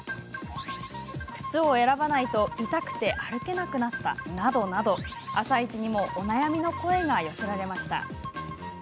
「靴を選ばないと痛くて歩けなくなった」などなど「あさイチ」にもお悩みの声が寄せられました。